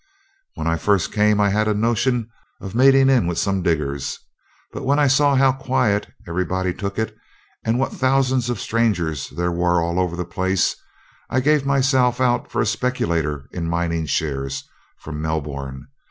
When I first came I had a notion of mating in with some diggers, but when I saw how quiet everybody took it, and what thousands of strangers there were all over the place, I gave myself out for a speculator in mining shares from Melbourne.